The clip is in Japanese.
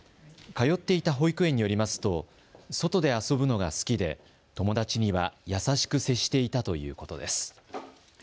通っていた保育園によりますと外で遊ぶのが好きで、友だちには優しく接していたということです。